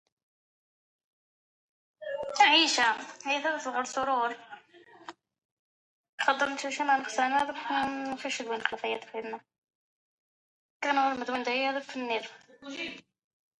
La draft change de format cette année, passant de quatre tours à trois tours.